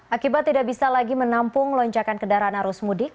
akibat tidak bisa lagi menampung lonjakan kendaraan arus mudik